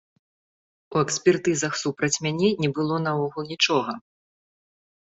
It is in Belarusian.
У экспертызах супраць мяне не было наогул нічога!